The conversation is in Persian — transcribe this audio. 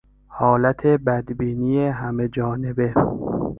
حالت بدبینی همه جانبه